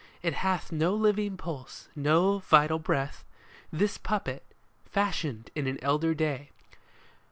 It hath no living pulse, no vital breath, This puppet, fashioned in an elder day.